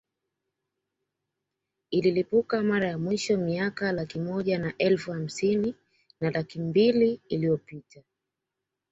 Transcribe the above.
Ililipuka mara ya mwisho miaka laki moja na elfu hamsini na laki mbili iliyopita